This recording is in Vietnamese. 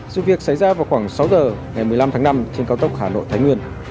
sự việc xảy ra vào khoảng sáu giờ ngày một mươi năm tháng năm trên cao tốc hà nội thái nguyên